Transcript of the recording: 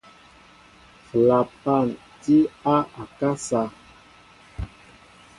Flapan tí a akasá.